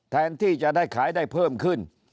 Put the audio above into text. แทนที่จะได้ขายได้เพิ่มขึ้น